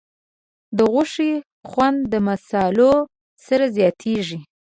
د غوښې خوند د مصالحو سره زیاتېږي.